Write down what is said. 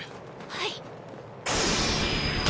はい。